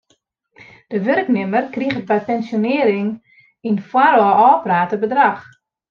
De wurknimmer kriget by pensjonearring in foarôf ôfpraat bedrach.